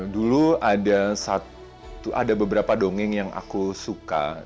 dulu ada beberapa dongeng yang aku suka